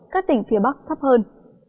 các tỉnh phía bắc thấp hơn